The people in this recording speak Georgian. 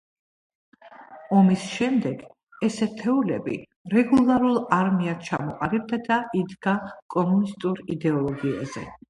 ომის შემდეგ ეს ერთეულები რეგულარულ არმიად ჩამოყალიბდა და იდგა კომუნისტური იდეოლოგიაზე.